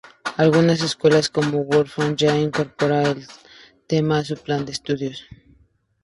Algunas escuelas como Waldorf ya incorporaron el tema a su plan de estudios.